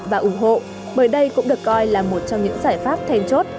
và ủng hộ bởi đây cũng được coi là một trong những giải pháp thèn chốt